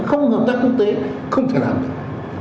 không hợp tác quốc tế không thể làm được